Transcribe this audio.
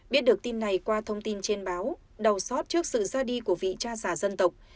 biết được tin này qua thông tin trên báo đầu sót trước sự ra đi của vị cha giả dân tộc